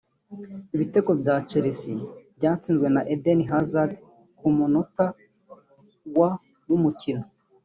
Ibitego bya Chelsea byatsinzwe na Eden Hazard ku munota wa ' w'umukino